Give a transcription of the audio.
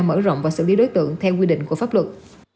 mở rộng và xử lý đối tượng theo quy định của pháp luật